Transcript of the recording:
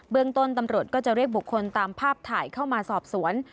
ต้นตำรวจก็จะเรียกบุคคลตามภาพถ่ายเข้ามาสอบสวน